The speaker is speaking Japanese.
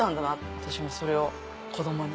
私もそれを子供に。